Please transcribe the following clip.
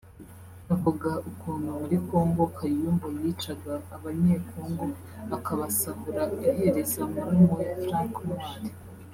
avuga ukuntu muri Congo Kayumba yicaga abanyekongo akabasahura ahereza muramuwe Frank Ntwali